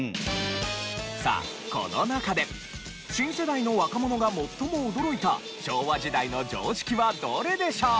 さあこの中で新世代の若者が最も驚いた昭和時代の常識はどれでしょう？